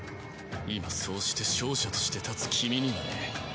今そうして勝者として立つ君にはね。